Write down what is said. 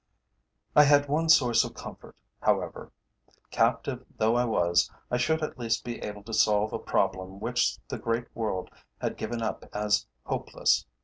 I had one source of comfort, however. Captive though I was, I should at least be able to solve a problem which the great world had given up as hopeless.